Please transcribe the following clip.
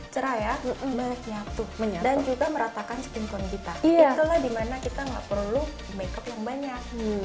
cerah ya banyak nyatu dan juga meratakan skin tone kita itulah dimana kita nggak perlu make up yang banyak